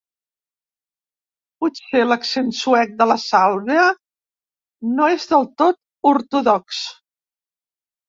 Potser l'accent suec de la Sàlvia no és del tot ortodox.